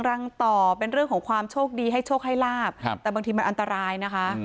รังต่อเป็นเรื่องของความโชคดีให้โชคให้ลาบแต่บางทีมันอันตรายนะคะ